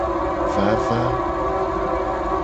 Vava.